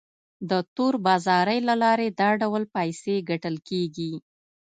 د تور بازارۍ له لارې دا ډول پیسې ګټل کیږي.